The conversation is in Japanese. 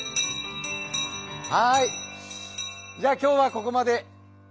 はいじゃあ今日はここまで。